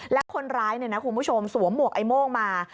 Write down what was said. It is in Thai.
และคนร้ายสวมหมวกไอโม่งมา